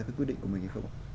cái quyết định của mình hay không